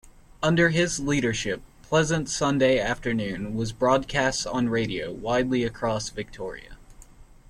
Under his leadership, the Pleasant Sunday Afternoon was broadcast on radio, widely across Victoria.